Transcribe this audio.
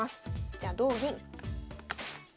じゃ同銀。